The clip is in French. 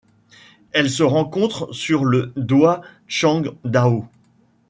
Elle se rencontre sur le Doi Chiang Dao.